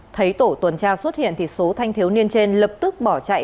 thấy tổ tuần tra xuất hiện thì số thanh thiếu niên trên lập tức bỏ chạy